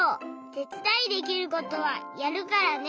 てつだいできることはやるからね。